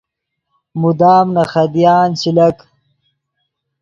مدام نے خدیان چے لک